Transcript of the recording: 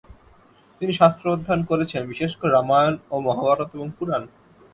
তিনি শাস্ত্র অধ্যয়ন করেছেন, বিশেষ করে, রামায়ণ ও মহাভারত এবং পুরাণ।